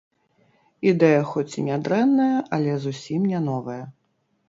Ідэя хоць і не дрэнная, але зусім не новая.